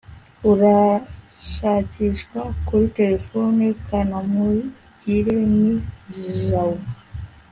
urashakishwa kuri terefone, kanamugireni jabo